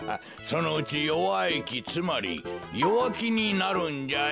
そのうち弱い木つまり弱木になるんじゃよ。